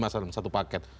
lima sama satu paket